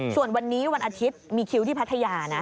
ส่วนวันนี้วันอาทิตย์มีคิวที่พัทยานะ